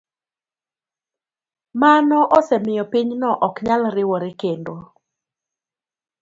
Mano osemiyo pinyno ok nyal riwore kendo.